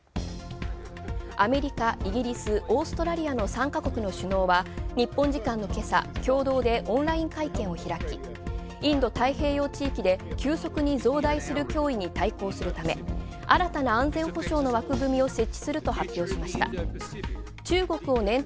アメリカ、イギリス、オーストラリアの３カ国の首脳は日本時間の今朝、共同でオンライン会見をインド太平洋地域で急速に強大な協議に対抗するため新たな安全保障のを枠組みを設置すると発表しました。